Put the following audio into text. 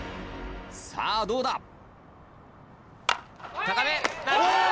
さぁどうだ？